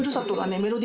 メロディ